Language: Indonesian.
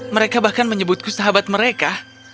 mereka bahkan menyebutku sahabat mereka